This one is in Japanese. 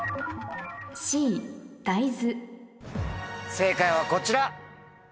正解はこちら。